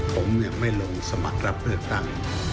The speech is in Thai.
ผมไม่ลงสมัครรับเลือกตั้ง